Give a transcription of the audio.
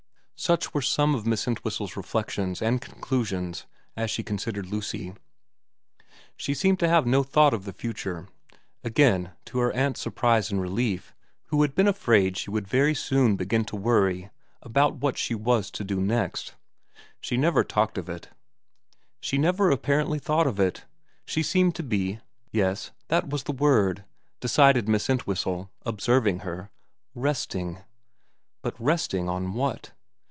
Such were some of Miss Entwhistle's reflections and conclusions as she considered Lucy. She seemed to have no thought of the future, again to her aunt's surprise and relief, who had been afraid she would very soon begin to worry about what she was to do next. She never talked of it ; she never apparently thought of it. She seemed to be yes, that was the word, decided Miss Entwhistle observing her resting. But resting on what